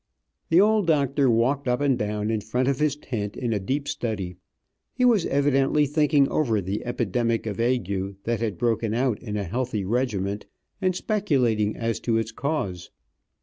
The old doctor walked up and down in front of his tent in a deep study. He was evidently thinking over the epidemic of ague that had broken out in a healthy regiment, and speculating as to its cause.